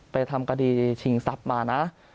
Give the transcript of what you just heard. ทำคดีชิงทรัพย์มานะ